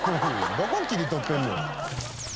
どこを切り取ってんねん。